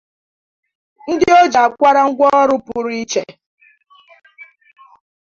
ndị o ji àkwárá ngwaọrụ pụrụ iche